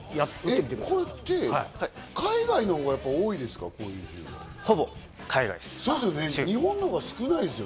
これって海外のほうが多いでほぼ海外です。